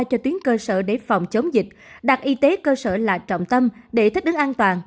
cho tuyến cơ sở để phòng chống dịch đặt y tế cơ sở là trọng tâm để thích ứng an toàn